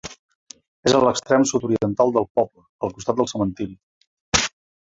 És a l'extrem sud-oriental del poble, al costat del cementiri.